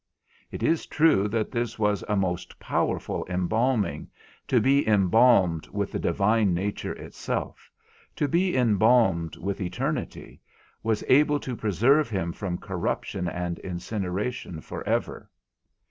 It is true that this was a most powerful embalming, to be embalmed with the Divine Nature itself, to be embalmed with eternity, was able to preserve him from corruption and incineration for ever.